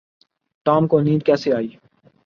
Tom کو نیند کیسی ائی؟